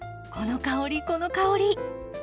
この香りこの香り！